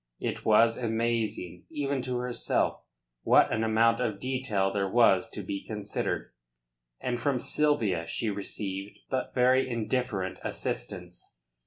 It was amazing even to herself what an amount of detail there was to be considered, and from Sylvia she received but very indifferent assistance.